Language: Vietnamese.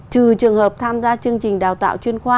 trừ trường hợp tham gia chương trình đào tạo chuyên khoa